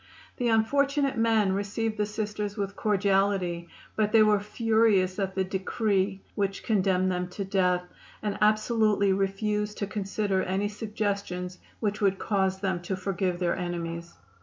The unfortunate men received the Sisters with cordiality, but they were furious at the decree which condemned them to death, and absolutely refused to consider any suggestions which would cause them to forgive their enemies.